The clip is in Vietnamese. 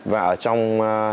và ở trong